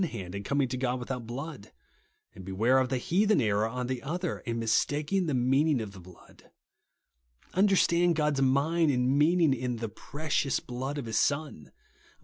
Beware of Cain's error on the one hand, in coming to God without blood ; and beware of the heathen error on the other, in mistakino^ the meanin^jf of the blood. Understand God's mind and mean ing, in *'the precious blood" of his Son.